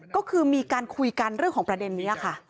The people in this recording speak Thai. ก็คือมีการคุยกันเรื่องของประเด็นนี้ค่ะ